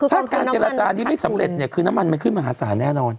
ถ้าการเจรจานี้ไม่สำเร็จเนี่ยคือน้ำมันมันขึ้นมหาศาลแน่นอน